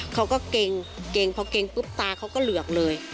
เค้าก็เกมเกมพอเกมปุ๊บตาเค้าก็ลือกเลย